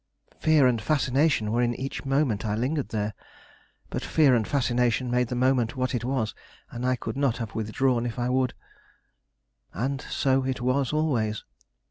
Fear and fascination were in each moment I lingered there; but fear and fascination made the moment what it was, and I could not have withdrawn if I would. And so it was always.